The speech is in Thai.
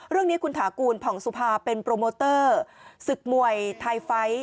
เรื่องนี้คุณถากูลผ่องสุภาเป็นโปรโมเตอร์ศึกมวยไทยไฟท์